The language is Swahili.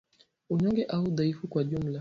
Unyonge au udhaifu kwa jumla